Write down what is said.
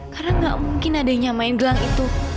karena gak mungkin ada yang nyamain gelang itu